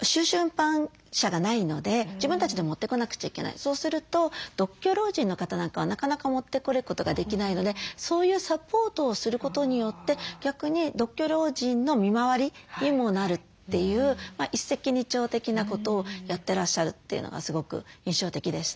そうすると独居老人の方なんかはなかなか持ってくることができないのでそういうサポートをすることによって逆に独居老人の見回りにもなるという一石二鳥的なことをやってらっしゃるというのがすごく印象的でした。